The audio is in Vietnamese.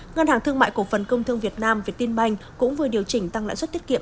ngân hàng thương mại cổ phần công thương việt nam việt tinh banh cũng vừa điều chỉnh tăng lãi suất tiết kiệm